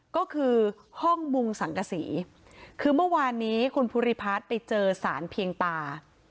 ก็คือห้องมุงสังกษีคือเมื่อวานนี้คุณภูริพัฒน์ไปเจอสารเพียงตา